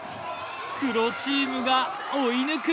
黒チームが追い抜く！